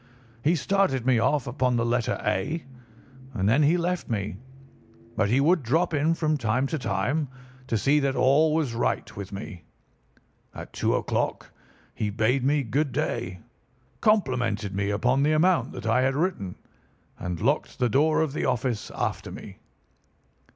He started me off upon the letter A, and then he left me; but he would drop in from time to time to see that all was right with me. At two o'clock he bade me good day, complimented me upon the amount that I had written, and locked the door of the office after me.